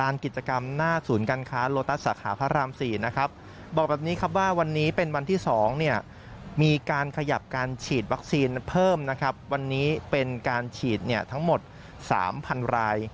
วัคซีนเพิ่มนะครับวันนี้เป็นการฉีดทั้งหมด๓๐๐๐ราย